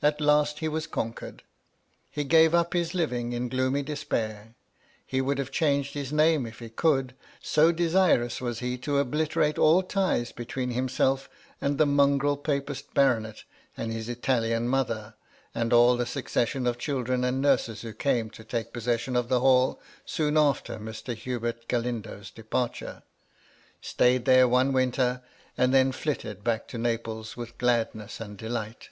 At last he was conquered. He gave up his liying in gloomy despair. He would have changed his name if he could, so desirous was he to obliterate all tie between himself and the mongrel papist baronet and bis ItaUan mother, and all the succession of children and nurses who came to take possession of the Hall soon after Mr. Hubert Galindo's departure, stayed there one winter, and then flitted back to Naples with gladness and delight.